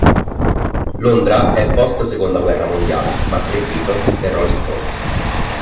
Londra è post-Seconda guerra mondiale, ma pre-Beatles e Rolling Stones.